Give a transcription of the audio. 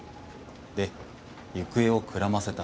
で行方をくらませた。